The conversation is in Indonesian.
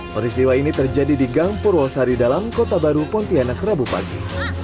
peristiwa ini terjadi di gang purwosari dalam kota baru pontianak rabu pagi